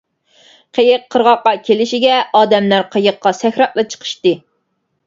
قېيىق قىرغاققا كېلىشىگە ئادەملەر قېيىققا سەكرەپلا چىقىشتى.